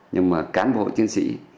nhưng mà cán bộ chiến sĩ